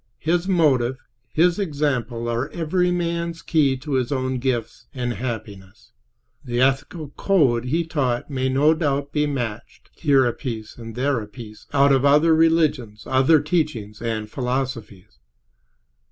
His motive, His example, are every man's key to his own gifts and happiness. The ethical code he taught may no doubt be matched, here a piece and there a piece, out of other religions, other teachings and philosophies.